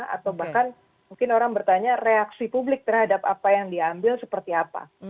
atau bahkan mungkin orang bertanya reaksi publik terhadap apa yang diambil seperti apa